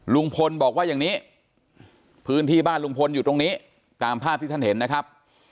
ลุงพลบอกว่าอย่างนี้พื้นที่บ้านลุงพลอยู่ตรงนี้ตามภาพที่ท่านเห็นนะครับ